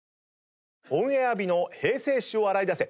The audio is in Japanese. オンエア日の平成史を洗い出せ！